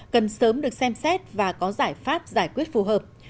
cần sớm được xem xét và có giải pháp giải quyết phù hợp